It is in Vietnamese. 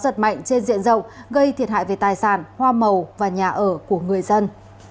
trên diện rộng gây thiệt hại về tài sản hoa màu và nhà ở của người dân